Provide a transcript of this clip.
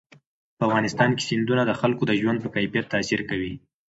په افغانستان کې سیندونه د خلکو د ژوند په کیفیت تاثیر کوي.